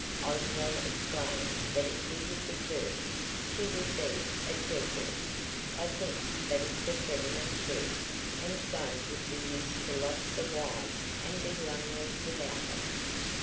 Oswald explained that if he was a Turk, she would be a Turquoise (I think that is the feminine Turk), and so would be used to lots of wives and be lonely without them.